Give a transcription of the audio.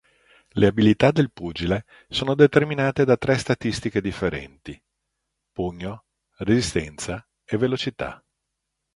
Le abilità del pugile sono determinate da tre statistiche differenti: pugno, resistenza e velocità.